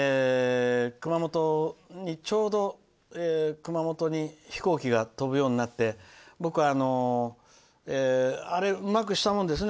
ちょうど熊本に飛行機が飛ぶようになって僕は、あれはうまくしたものですね。